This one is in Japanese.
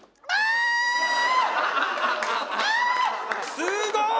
すごい！